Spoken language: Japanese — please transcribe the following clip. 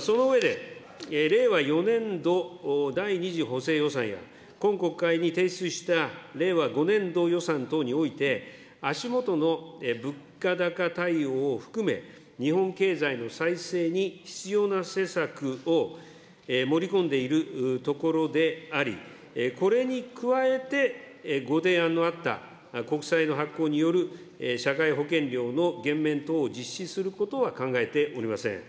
その上で、令和４年度第２次補正予算や、今国会に提出した令和５年度予算等において、足下の物価高対応を含め、日本経済の再生に必要な施策を盛り込んでいるところであり、これに加えて、ご提案のあった国債の発行による社会保険料の減免等を実施することは考えておりません。